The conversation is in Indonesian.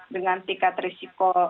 dengan tingkat risiko